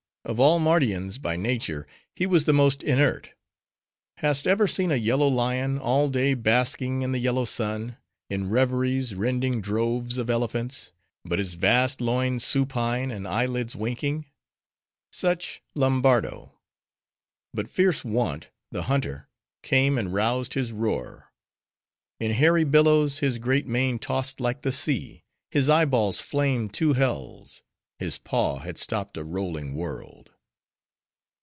Of all Mardians, by nature, he was the most inert. Hast ever seen a yellow lion, all day basking in the yellow sun:—in reveries, rending droves of elephants; but his vast loins supine, and eyelids winking? Such, Lombardo; but fierce Want, the hunter, came and roused his roar. In hairy billows, his great mane tossed like the sea; his eyeballs flamed two hells; his paw had stopped a rolling world.